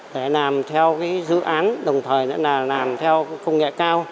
để làm theo dự án đồng thời làm theo công nghệ cao